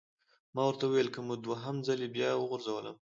ما ورته وویل: که مو دوهم ځلي بیا وغورځولم!